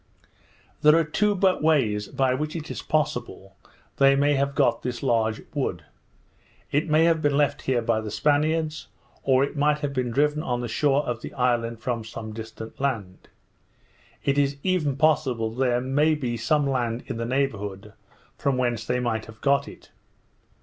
There are two ways by which it is possible they may have got this large wood; it might have been left here by the Spaniards, or it might have been driven on the shore of the island from some distant land. It is even possible that there may be some land in the neighbourhood, from whence they might have got it.